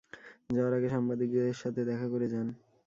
যাওয়ার আগে সাংবাদিকদের সাথে দেখা করে যান।